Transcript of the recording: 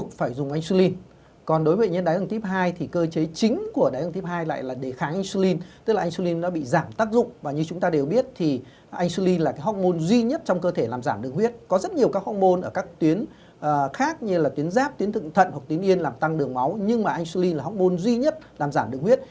tăng đường máu nhưng mà insulin là hóng môn duy nhất làm giảm đường huyết